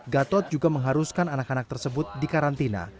gatot juga mengharuskan anak anak tersebut dikarantina